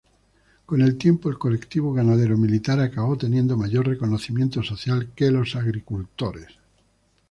Con el tiempo el colectivo ganadero-militar acabó teniendo mayor reconocimiento social que los agricultores.